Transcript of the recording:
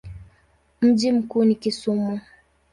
Mji mkuu ni Kisumu.